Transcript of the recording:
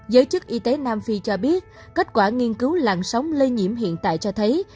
giới chức y tế nam phi cho biết kết quả nghiên cứu làn sóng lây nhiễm hiện tại cho thấy